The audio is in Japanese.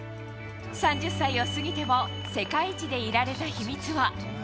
３０歳を過ぎても、世界一でいられた秘密は。